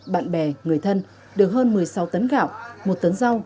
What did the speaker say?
bạn bè người thân được hơn một mươi sáu tấn gạo một tấn rau